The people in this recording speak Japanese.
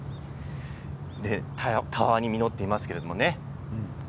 たわわに実っていますけれどもね。